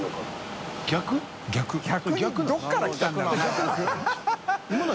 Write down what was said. どこから来たんだろうな？